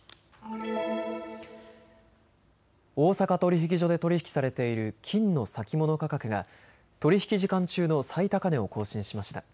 大阪取引所で取り引きされている金の先物価格が取り引き時間中の最高値を更新しました。